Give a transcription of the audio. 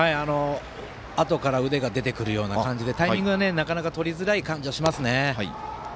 あとから腕が出てくるような感じでタイミングが、なかなかとりづらい感じがしますね。